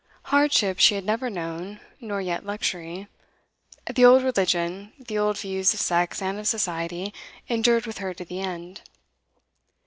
Hardship she had never known, nor yet luxury; the old religion, the old views of sex and of society, endured with her to the end.